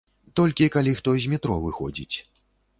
Толькі калі хто з метро выходзіць.